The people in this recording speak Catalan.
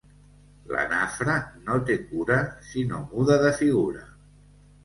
La nafra no té cura si no muda de figura.